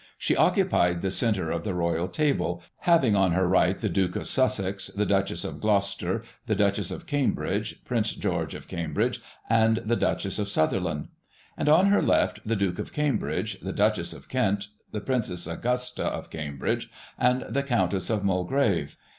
She occupied the centre of the Royal table, having on her right the Duke of Sussex, the Duchess of Gloucester, the Duchess of Cambridge, Prince George of Cambridge and the Duchess of Sutherland ; and on her left, the Duke of Cambridge, the Duchess of Kent, the Princess Augusta of Cambridge and the Countess of Mul grave.